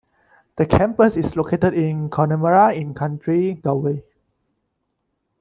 The campus is located in Connemara in County Galway.